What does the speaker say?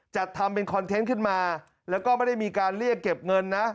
จัดทำเป็นคอนเทนต์ขึ้นมาแล้วก็ไม่ได้มีการเรียกเก็บเงินนะ